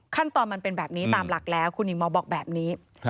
มันเป็นแบบนี้ตามหลักแล้วคุณหญิงหมอบอกแบบนี้